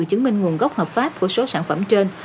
chứng minh nguồn gốc hợp pháp của số sản phẩm trên